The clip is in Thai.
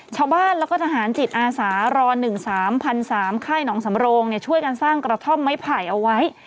ชาวบ้านแล้วก็ทหารจิตอาสารร๑๓พัน๓๓ค่ายหนองสำโรงช่วยกันสร้างกระท่อมไม้ไผ่เอาไว้